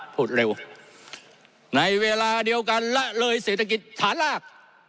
พูดเร็วในเวลาเดียวกันละเลยเศรษฐกิจฐานราก